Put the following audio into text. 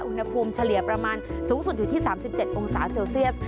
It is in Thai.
เฉลี่ยประมาณสูงสุดอยู่ที่๓๗องศาเซลเซียส